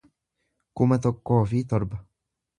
kuma tokkoo fi torba